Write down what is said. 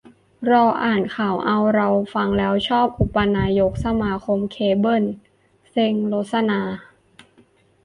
รออ่านข่าวเอา - เราฟังแล้วชอบอุปนายกสมาคมเคเบิ้ล เซ็งรสนา